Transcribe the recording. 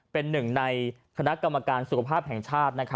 เป็นหนึ่งในคณะกรรมการสุขภาพแห่งชาติ